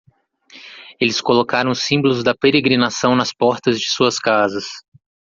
Eles colocaram os símbolos da peregrinação nas portas de suas casas.